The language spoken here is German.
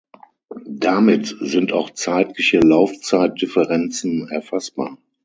Damit sind auch zeitliche Laufzeitdifferenzen erfassbar.